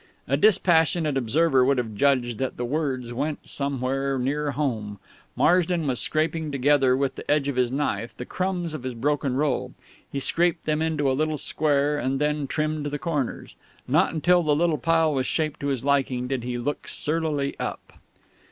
A dispassionate observer would have judged that the words went somewhere near home. Marsden was scraping together with the edge of his knife the crumbs of his broken roll. He scraped them into a little square, and then trimmed the corners. Not until the little pile was shaped to his liking did he look surlily up.